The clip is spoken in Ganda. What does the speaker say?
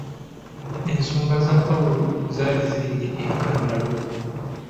Ensonga za Pawulo zaali zirinnye enkandaggo.